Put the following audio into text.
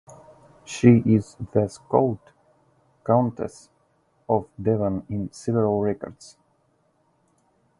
She is thus called Countess of Devon in several records.